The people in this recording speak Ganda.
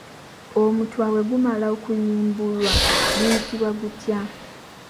Omutuba bwe gumala okuyimbulwa guyitibwa gutya?